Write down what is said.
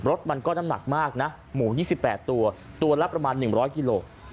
รถมันก็น้ำหนักมากนะหมูยี่สิบแปดตัวตัวละประมาณหนึ่งร้อยกิโลกรัม